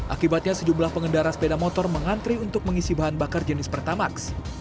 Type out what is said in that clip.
akibatnya sejumlah pengendara sepeda motor mengantri untuk mengisi bahan bakar jenis pertamax